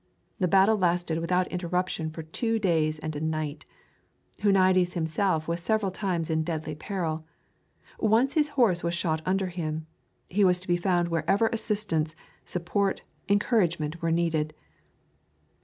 The battle lasted without interruption for two days and a night. Huniades himself was several times in deadly peril. Once his horse was shot under him. He was to be found wherever assistance, support, encouragement were needed.